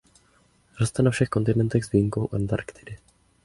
Roste na všech kontinentech s výjimkou Antarktidy.